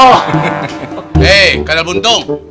hei kadal buntung